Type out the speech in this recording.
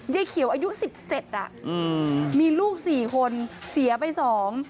ยายเขียวอายุสิบเจ็ดอ่ะอืมมีลูกสี่คนเสียไปสอง